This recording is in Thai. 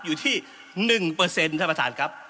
อยู่ที่๑ท่านประธานครับ